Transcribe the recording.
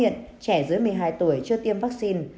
trẻ dưới một mươi hai tuổi chưa tiêm vaccine